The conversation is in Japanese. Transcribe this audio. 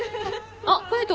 あっ海斗。